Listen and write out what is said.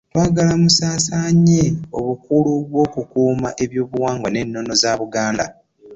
Twagala musaasaanye obukulu bw'okukuuma eby'obuwangwa n'ennono za Buganda